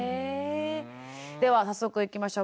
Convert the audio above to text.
では早速いきましょう。